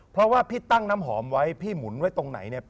เพราะว่าพี่ตั้งน้ำหอมไว้พี่หมุนไว้ตรงไหนเนี่ย